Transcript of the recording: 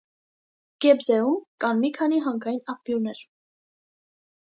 Գեբզեում կան մի քանի հանքային աղբյուրներ։